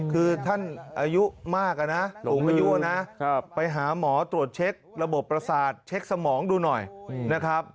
คือท่านอายุมากนะสูงอายุนะไปหาหมอตรวจเช็คระบบประสาทเช็คสมองดูหน่อยนะครับ